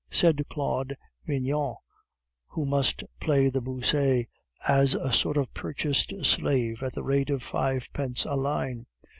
said Claude Vignon, who must play the Bossuet, as a sort of purchased slave, at the rate of fivepence a line.